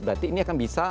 berarti ini akan bisa